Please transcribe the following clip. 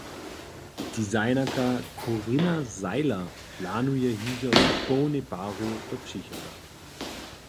Designerka Corinna Seiler planuje hižo z połnej paru do přichoda.